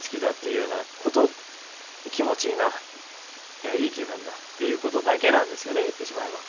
「気持ちいいないい気分だ」っていうことだけなんですよね言ってしまえば。